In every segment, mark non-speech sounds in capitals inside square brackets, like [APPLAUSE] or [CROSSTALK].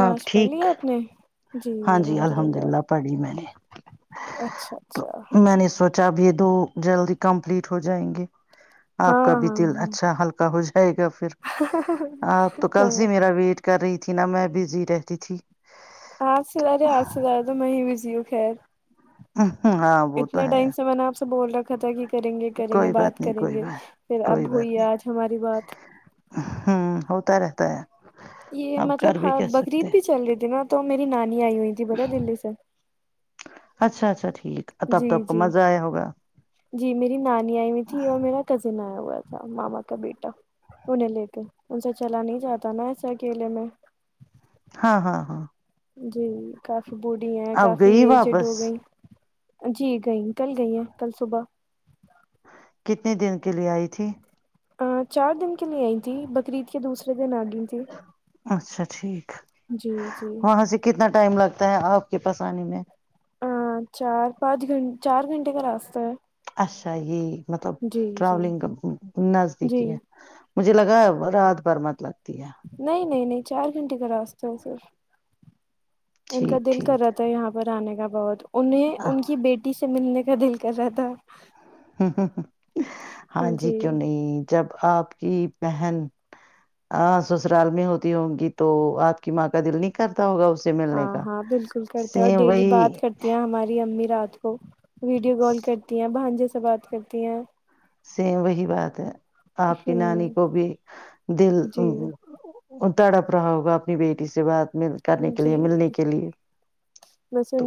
آپ پڑھ لی ٹھیک ہے آپ نے جی ہاں الحمد للہ پڑھی میں نے اچھا اچھا چ اب یہ دو جلدی کمپلیٹ ہو جائیں گے آپ کا ہاں بھی تل ہاں اچھا ہلکا ہو ج رہے گا پھر ہاں آپ تو کل س ہاں میرا ویٹ کر رہی تھی نا میں بزی رہتی تھی آپ سےلارے آپ سلارے تو میںیں بھیزوں خیر ہاں ہ ہاں وہ تو اتنے ہے ٹائم سے میں نے آپ بول رکھا تھاائے کہ کریں گے کریں گے کوئی بات نہیں کریں کوئی گے بات پھر اب کوئی ہوئی بات ہے آج ہماری بات تا رہتا ہے یہ آپ مطلب کر بھی ہاں کہہ سکتے بقریعید ہیں بھی چل رہی تھی نا تو میری نانی آئی ہوئی تھی پتا دلی سے اچھا اچھا ٹھیک ا تب تو جی آپ کو جی مزہ آیا ہوگا جی میری نانی آئی ہوئی تھی اور میرا کزن آیا ہوا تھا ماما کا بیٹا انہیں لے کر ان سے چلا نہیں جاتا نا ایسے اکیلے میں ہاں ہاں ہاں جی کافی بوڑھی ہیں اب کافی گئی ایج ڈ واپس گئی جی گئیں کل گئی ہیں کل صبح کتنے دن کے لیے آئی تھی چار دن کے لیے آئی تھی بقرریعید کے دوسرے ناگن جی اچھا ٹھیک جی وہاں سے کتنا ٹائم لگتا آپ کے پسانی میں ہاں چار پانچ گھنٹ چار گھنٹے کا راستہ ہے اھا یہ [UNINTELLIGIBLE] مطلب جی جی ٹراولنگ جی نزدیکی ہے مجھے لگا ہے رات بھر مطلب نہیں نہیں نہیں چار گھنٹے کا راستا ہے سر ان کا ٹھیک دل ٹھیک کرا تھا یہاں پر آنے کا بت [UNINTELLIGIBLE] انہیں ان کی بیٹی سے ملنے کیا دل کر رہتا ہاں جی کیوں نہیں جب آپ کی بہن سسرال میں ہوتی ہوں گی تو آپ کی ماں کا دل نہیں کرتی ہاں ہاں بالکل کرتا ہیں اور سیم ڈیلی بات وہی کرتی ہیں ہماری امی رات ا [UNINTELLIGIBLE] ویڈیو کال کرتی ہیں بان جے سے بات کرتی ہیں سیم وہی بات ہے آپ کی ہوں نانی کو بھی دل جی وہ تڑا پرراؤ ہوگا اپنی بیٹی سے سے بعات م کرنے کے جی لیے ملنے کے لیے تو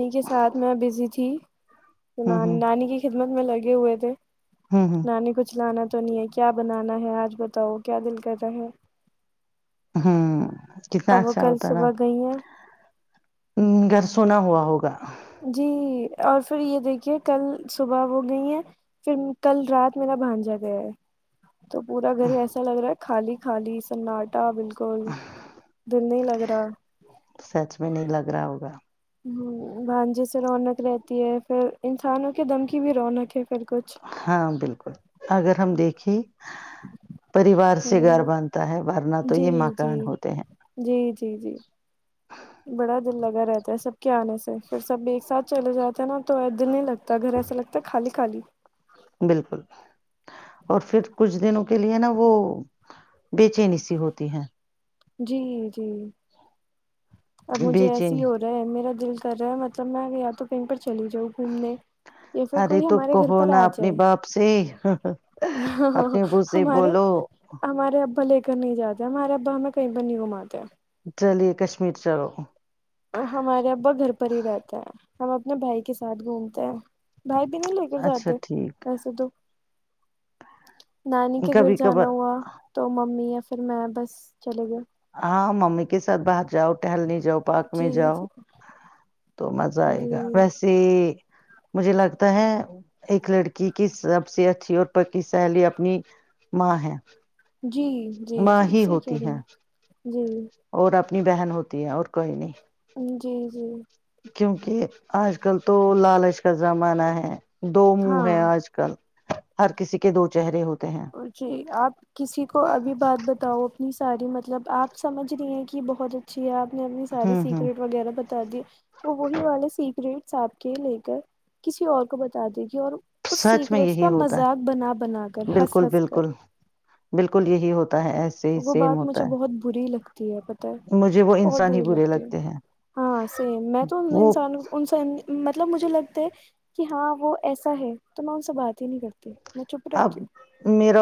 ہ ن نانی کی خدمت میں لگی ہوئے تھ ہیں ہ ہ ہ نانی کچھ لانا تو نہیں ہے کیا بناانا نا ہے آج بتاؤ کیا دل کرتا ہے ہاں ا وہ کل صبح گئی ہیں ہ گھر سونا ہوا ہوگا جی اور پھر یہ دیکھیے کل صبح وہ گئی ہیں پھر کل رات میرا بھانجا گیا ہے تو پورا گھر ایسا لگ رہا ہے خالی خالی سناٹا بالکل بالکل دل نہیں لگ رہا رہ ہوگا ہمم بھانجے سے رونق رہتی ہے پھر انسانوں کے دم کی بھی رونق ہے پھر کچھ ہاں بالکل اگر ہم دیکھ کھے پریوار ہ سے گھر باندھتا ہے ورنہ تو جی یہ جی مکان ہوتے ہیں جی جی جی بڑا دل رہتا ہے سب کے آنے سے پھر سب ایک ساتھ چلے جاتے ہیں نا تو دل نہیں لگتا گھر ایسا لگتا ہے خالی خالی بالکل اور پھر کچھ دنوں کے لیے نا وہ بےچینی سی ہوتی ہے جی جی اب مجھے بے ایس ہی چینی ہو رہا ہے میرا دل کر رہا ہے مطلب میں یا تو کہی پر چلی جاؤ گھومنے یا پھر ارے کوئی تو ہمارے گھر کہو پر نا آ اپنے جائے باپ سے ہ اپنے ابو سے ہمارے بولو ہمارے ابا کر نہیں جاتا ہمارا ابا ہمیں کہیں پر نہیں گھماتا چلیے کشمیر چلو ہمارے ابا گھر پر ہی رہتا ہے ہم اپنے بھائی کے ساتھ گھومتے ہیں بھائی بھی نہیں لے کر اچھا جاتے ٹھیک ویسے تو نانی کے گھر کبھی کبھار جانا ہوا تو ممی یا پھر میں بس چلے گیے ہاں ممی کے سات بات جاؤ ٹہلنے جاؤ پارک میں جی جی جاؤ تو مزہ آئے گا جی ویسے مجھے لگتا ہے ایک لڑکی کی سب سے اچھی اور پکی سہیلی اپنی ماں ہے جی جی ماں جی ہی صحیح ہوتی کہہ رہی ہے ہیں جی اور اپنی بہن ہوتی ہے اور کوئی نہیں جی جی کیونکہ آج کل تو لالچ کا زمانہ ہے دو منہ ہے ہاں آج کل ہر کسی کے دو چہرے ہو جی آپ کسی کو ابھی بات بتاؤ ساری مطلب آپ سمجھ رہی ہیں کہ بہت اچھی آپ نے اپنی ساری ہوں ہوں سیکریٹ وغیرہ بتا دی وہ وہی والے سیکریٹ سپ کے لے کر کسی اور کو بتا دی اور اس سچ میں سیکریٹس کا مذاق بنا بنا کر ہنس بکل ہنس بالکل کر بالکل یہی ہوتا ہے ایسے ہی وہ سیم بات ہوتا مجھے بہت بری لگتی ہے پتہ ہے مجھے وہ بہت انسان ہی بری برے لگتی ہے لگتے ہیں ہاں سیم میں تو ان وہ انسان ان سے مطلب مجھے لگتا ہے کہ ہاں وہ ایسا ہے تو میں ان سے بات ہی نہیں کرتی میں چپ رہتی ہوں اب میریرا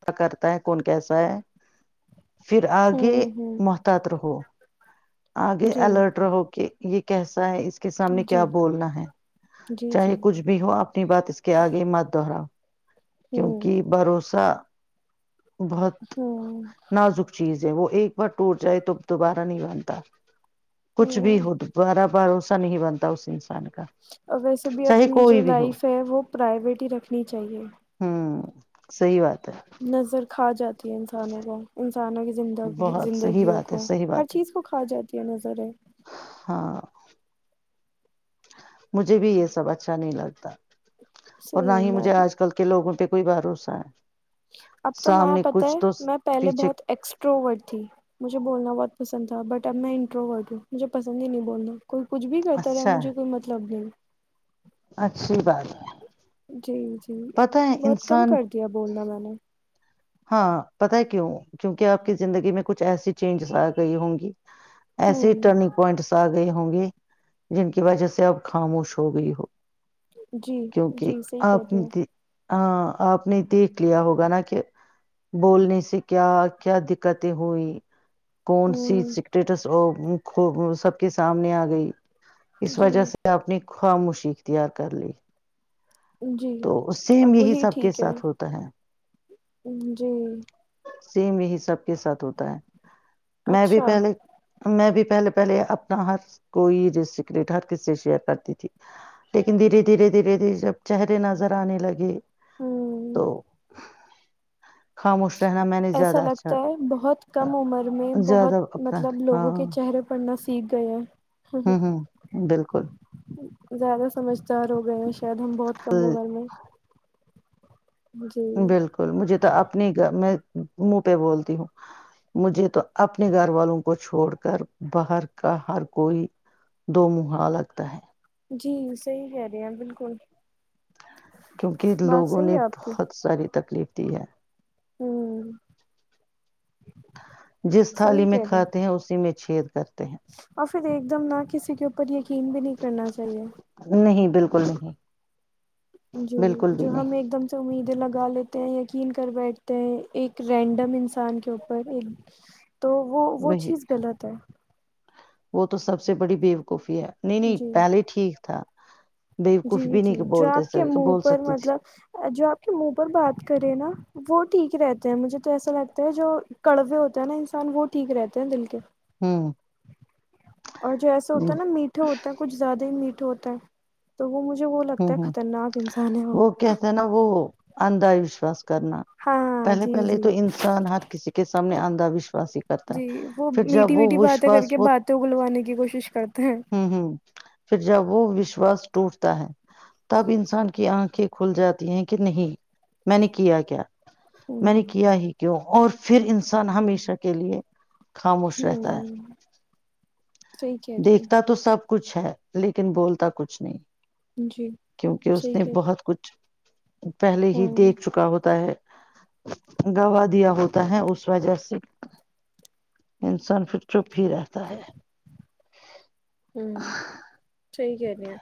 پتا کرتا ہے کون کیسا ہے؟ پھر آگے ہوں ہوں محتاط رہو آگے جی اللرٹر ہکے یہ کی س اس کے سامنے جی کیا بولنا ہے جی جی چاہے کچھ بھی ہو اپنی بات اس کے آگے مت دہراؤ ہوں کیونکہ بھروسہ بہت ہوں نازک چیز وہ ایک بار ٹوٹ جائے تو دوبارہ نہیں بنتا کچھ بھی ہوں ہو دو دوارہ بھروسہ نہیں بنتا اس انسان کا اور ویسے بھی چاہے اپنی جو کوئی بھی ہو لائف ہے وہ پرائیویٹ ہی رکھنی چاہیے صحی بات ہے نظر کھا جاتا انسانوں کو ان انسانوں کی زندگی بہت صحیح زندگیوں بات ہے کو صحیح ہر بات ہے چیز کو کھا جاتا د نظرائے ہاں مجھے بھی یہ سب اچھا نہیں لگتا اور نہ ہی سیم میں مجھے بھی آج کل کے لوگوں پہ پ کوئی بار سائ اب تو میں پتا ہے میں پہلے پیچھے بہت ایکسٹروور تھی مجھے بولنا بہت پسند تھا بٹ اب میں انٹروورڈ ہوں مجھے پسند ہی نہیں بولنا کوئی کچھ بھی کرتا رہا اچھا ہے مجھے کوئی مطلب نہیں اچھی بات جی جی پتہ ہے بہت کم انسان کر دیا بولنا میں نے ہاں پتا ہے کیوں کیونکہ آپ کی زندگی میں کچھ ایسی چینج آ گئی ہوں گی ایسے ہی ہوں رننگ پوائنٹ س گئے ہوں گے جن کی وجہ سے اب خاموش ہو گئی ہو جی جی کیونکہ صحی آپ کہتی نے ہیں دی- ہاں آپ نے دیکھ لیا ہوگا نا کہ بولنے سے کیا کیا دقتیں ہوئی کون سی ہوں سٹیٹس اف سب کے سامنے آ گئی اس وجہ جی سے آپنی خواہ موشی اختیار کر لی جی تو ا سیم یہی وہی سب کے ٹھیک ہے ساتھ ہوتا ہے جی سیم یہی سب کے ساتھ ہوتا ہے میں بھی اچھا پہلے میں بھی پہلے پہلے اپنا ہر کوئی سیکریٹ ہر کسی سے شیئر کرتی تھی لیکن دھیرے دھیرے دھیرے دھیرے جب چہرے نظر آنے لگے تو ہوں خاموش رہنا میں نے زیادہ ایسا اچھا لگتا ہے بہت کم عمر میں بہت زیادہ اپنا مطلب ہاں لوگوں کے چہرے پرڑ نہ سیکھ گئے ہیں ہوں ہوں بالکل زیادہ سمجھدار ہو گیا شاید ہم بہت کم ا گر میں جی بالکل مجھے تو اپنی میں منہ پہ بولتی ہوں مجھے تو اپنے گھر والوں کو چھوڑ کر باہر کا ہر کوئی دو منہ لگتا ہے جی صحی کہہ رہے ہیں بالکل کیونکہ بات لوگوں صحیح نے ہے آپ کی بہت ساری تکلیف تی ہے ہوں جس صحیح تھالی میں کہہ رہے کھاتے ہیں اسی میں چھیید کر اور پھر ایک دم نہ کسی کے اوپر یقین بھی نہیں کرنا چاہیے۔ نہیں بالکل نہیں۔ جی بالکل بھی جو نہیں ہمیں ایک دم سے امیدیں لگ۔ گا لیتے ہیں یقین کر بیٹھتے ہیں ایک رینڈم انسان کے اوپر ایک۔ تو وہ وہ وہی چیز غلط ہے۔ وہ تو سب سے بڑی بی بےوقوف۔ نہیں نہیں جی پہلے ٹھیک تھا۔ جی بیوقوف بھی جی نہیں جو آپ بولتے کے منہ بول پر سکتی تھی مطلب جو آپ کے منہ پر بات کرے نا وہ ٹھیک رہتا۔ مجھے تو ایسا لگتا ہے جو کڑوے ہوتے ہیں نا انسان وہ ٹھیک رہتے ہیں دل کے۔ ہوں۔ اور جو ایسے ہوتا ہ ہے نا میٹھے ہوتا ہیں کچھ زیادہ ہی میٹھے۔ ہوتا ہے تو وہ مجھے۔ وہ لگتا ہے خطرناک انسان ہے وہ کہتے ہیں نا وہ اندھا وشواس۔ کرنا ہاں پہلے جی پہل جی تو انسان ہر کسی کے سامنے اندا وشواس ہی کرتا ہے جی وہ پھر میٹھی جب وہ میٹھی باتیں کر وشواس۔ کے باتیں اگلوانے کی کوشش کرتے ہیں پھر جب وہ وشواس ٹوٹتا ہے۔ تب انسان کی آنکھیں کھل جاتی ہیں کہ نہیں میں نے کیا کیا۔ ہوں میں نے کیا ہی کیوں اور۔ پھر انسان ہمیشہ کے لیے۔ خاموش رہتا ہے۔ ہوں صحیح کہہ رہی ہیں دیکھتا تو سب۔ کچھ ہے لیکن بولتا کچھ نہیں۔ جی کیونکہ اس صحیح نے کہہ رہی ہیں، بہت کچھ۔ پہلے ہی ہوں دیکھ چکا ہوتا ہے۔ گوا دیا ہوتا ہے اس وجہ سے انسان پھر چپ ہی رہتا ہے۔ ہوں۔ صحیح کہ ہیں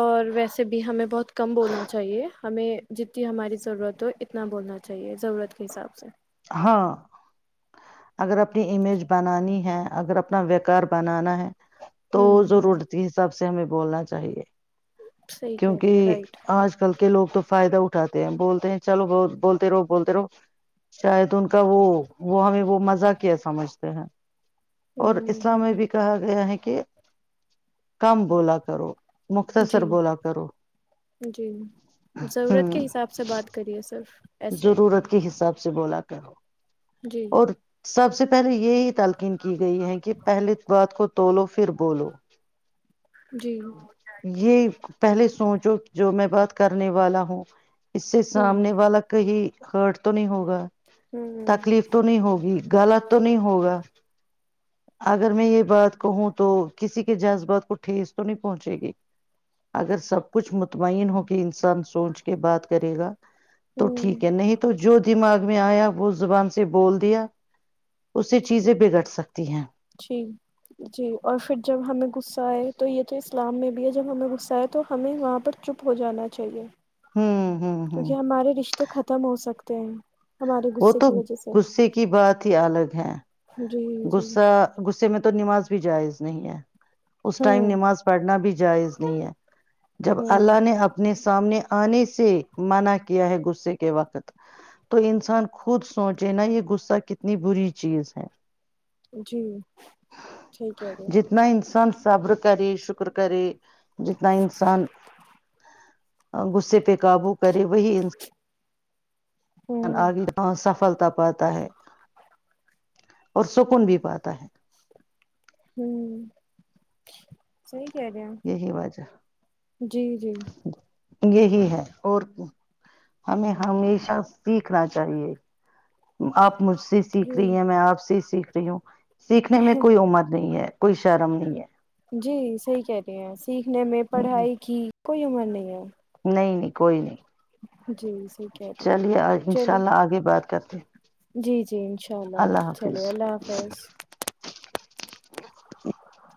اور ویسے بھی ہمیں بہت کم بولنا چاہیے ہمیں جتنی ہماری ضرورت ہو اتنا بولنا چاہیے۔ ضرورت کے حساب سے۔ ہاں اگر اپنی امیج بنانی ہے اگر اپنا ویکار بنانا ہے۔ تو ہوں ہوں ضرورت کے حساب سے۔ سے ہمیں بولنا چاہیے۔ صحیح کہہ رہی ہیں کیونکہ رائٹ آج کل کے لوگ تو۔ فائدہ اٹھاتے ہیں بولتے ہیں چلو ب بولتے رہو بولتے رہو شاید ان کا وہ وہ ہمیں وہ مزہ مزاقیہ سمجھتے ہیں۔ اور ہوں اسلام میں ہوں بھی کہا گیا ہے کہ۔ کہ کم بولا کرو مخت سر جی بولا جی ضرورت ہوں کے حساب سے بات کریے سر ضرورت کے حساب سے سے بولا کر جی اور سب سے سی یہی تالقین کی گئی ہے کہ پہلی بات خ تو توولو پھر بولو جی یہ پہلے سوچو جو میں بات کرنے والا ہوں اس سے ہوں سامنے والا ہرٹ تو نہیں ہوگا ہوں تکلیف تو نہیں ہوگی غلط تو نہیں ہوگا اگر میں یہ بات کہوں تو کسی کے جذبات کو ٹھیس تو نہیں پہنچے گی اگر سب کچھ مطمئن ہو کہ انسان سوچ کے بات کرے گا تو ہوں ٹھیک ہے نہیں تو جو دماغ میں آیا وہ زبان سے بول دیا اس سے چیزیں بگڑ سکتی ہیں جی جی اور پھر جب ہمیں غصہ آئے تو یہ تو اسلام میں بھی ہے جب ہمیں غصہ ہےئے تو ہمیں وہاں پر چپ ہو جانا چاہیے ہاں کیونکہ ہمارے رشتے ختم ہو سکتے ت وہ تو غصے کی بات ہی الگ ہے جی جی گغصا گ اس میں تو نماز بھی جائز نہیں ہے اس ٹائم ہوں نماز پڑھنا بھی جائز نہیں ہے جب اللہ ہوں نے اپنے سامنے آنے سے منع کیا ہے غصے کے وقت تو انسان خود سوچے نا یہ غصہ کتنی بری چیز ہے جی ٹھیک ہے جی جتنا انسان صبر کرے شکر کرے جتنا انسان غصے پہ قابو کرے وہی ان ہوں آگے ہ سفلتا پاتا ہے اور سکون بھی پاتا ہے ہوں سی کہ رہے یہی وجہ جی جی یہی ہے اور ہمیں ہمیشہ سیکھنا چاہیے آپ مجھ سیکھ جی رہی ہے میں آپ سے سیکھ رہ ہ سیکھنے میں کوئی امر نہیں ہے کوئی شرم نہیں ہے جی صحی کہہ رہی ہیں سیکھنے میں پڑھائی کی کوئی عمر نہیں ہے نہیں نہیں کوئی نہیں جی صحیح کہہ رہے ہیں چلیے ان شاء چلیے اللہ آگے بات کر جی جی جی انشاء اللہ چلیے اللہ حافظ [INAUDIBLE]